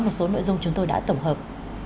một số nội dung chúng tôi đã tổng hợp